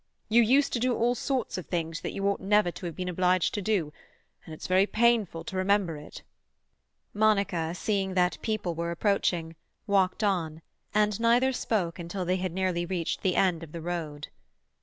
You used to do all sorts of things that you never ought to have been obliged to do, and it's very painful to remember it." Monica, seeing that people were approaching, walked on, and neither spoke until they had nearly reached the end of the road.